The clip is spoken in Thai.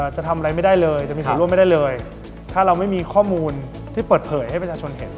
จะทำอะไรไม่ได้เลยจะมีส่วนร่วมไม่ได้เลยถ้าเราไม่มีข้อมูลที่เปิดเผยให้ประชาชนเห็น